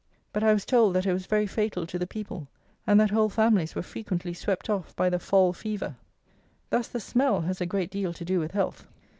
But I was told that it was very fatal to the people; and that whole families were frequently swept off by the "fall fever." Thus the smell has a great deal to do with health.